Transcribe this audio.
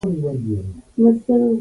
ښایست له پاک فکره زېږي